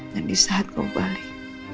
dan di saat kau balik